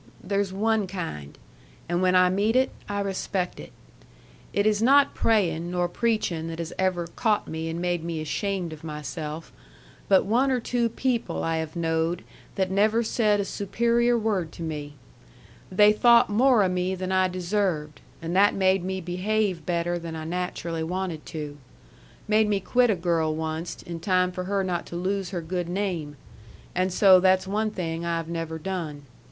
There's one kind. And when I meet it, I respect it. It is not praying nor preaching that has ever caught me and made me ashamed of myself, but one or two people I have knowed that never said a superior word to me. They thought more o' me than I deserved, and that made me behave better than I naturally wanted to. Made me quit a girl onced in time for her not to lose her good name. And so that's one thing I have never done.